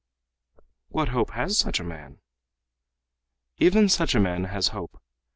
'" "What hope has such a man?" "Even such a man has hope.